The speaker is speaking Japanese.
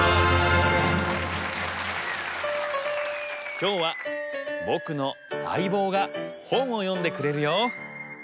きょうはぼくのあいぼうがほんをよんでくれるよ。